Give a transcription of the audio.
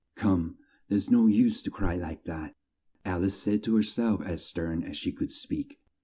"Come, there's no use to cry like that!" Al ice said to her self as stern as she could speak.